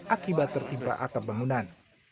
akibat tertimpa atap bangunan